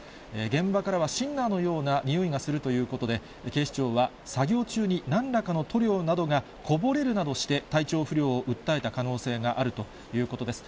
現場からはシンナーのようなにおいがするということで、警視庁は作業中になんらかの塗料などがこぼれるなどして、体調不良を訴えた可能性があるということです。